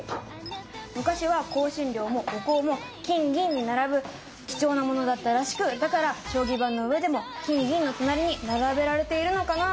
昔は香辛料もお香も金銀に並ぶ貴重なものだったらしくだから将棋盤の上でも金銀の隣に並べられているのかなあ？